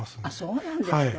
そうなんですか。